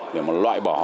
để mà loại bỏ họ ra khỏi